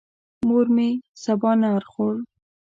مور مې سبانار خوړل.